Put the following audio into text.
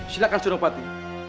silakan seri pati